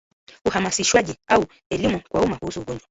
Uhamasishwaji au Elimu kwa umma kuhusu ugonjwa